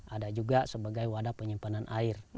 ada juga sebagai wadah penyimpanan air